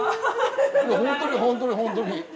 本当に本当に本当に。